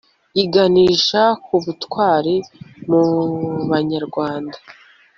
iganisha ku butwari mu banyarwanda